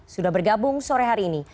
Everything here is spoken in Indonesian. sudah bergabung sore hari ini